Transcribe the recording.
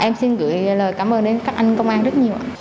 em xin gửi lời cảm ơn đến các anh công an rất nhiều ạ